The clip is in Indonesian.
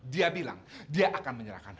dia bilang dia akan menyerahkan